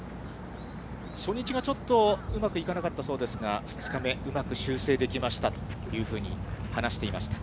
初日がちょっとうまくいかなかったそうですが、２日目、うまく修正できましたというふうに話していました。